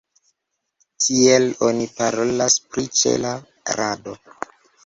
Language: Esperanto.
Tiel oni parolas pri ĉela rado.